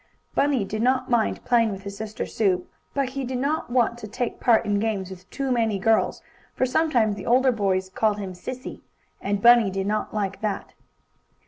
Bunny did not mind playing with his sister Sue, but he did not want to take part in games with too many girls, for sometimes the older boys called him "sissy." And Bunny did not like that.